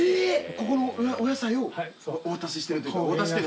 ここのお野菜をお渡ししてるっていうか。